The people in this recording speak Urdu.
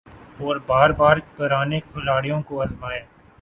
اور بار بار پرانے کھلاڑیوں کو آزمانے